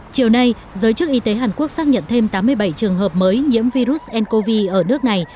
chiều nay giới chức y tế hàn quốc xác nhận thêm tám mươi bảy trường hợp mới nhiễm virus ncov ở nước này